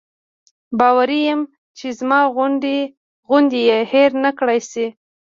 باوري یم چې زما غوندې یې هېر نکړای شي.